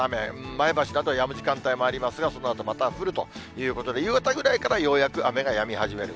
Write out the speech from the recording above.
前橋などやむ時間帯もありますが、そのあとまた降るということで、夕方ぐらいからようやく雨がやみ始める。